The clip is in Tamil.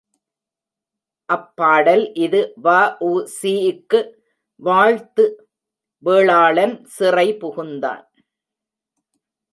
அப்பாடல் இது வ.உ.சி.க்கு வாழ்த்து வேளாளன் சிறை புகுந்தான்.